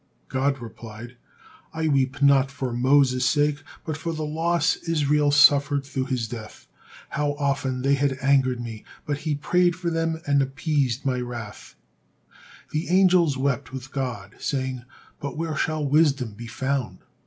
God replied: "I weep not for Moses' sake, but for the loss Israel suffered through his death. How often had they angered Me, but he prayed for them and appeased My wrath." The angels wept with God, saying, "But where shall wisdom be found?"